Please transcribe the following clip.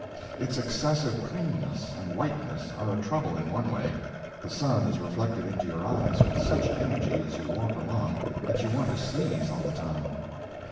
Its excessive cleanness and whiteness are a trouble in one way: the sun is reflected into your eyes with such energy as you walk along that you want to sneeze all the time.